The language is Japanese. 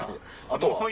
あとは？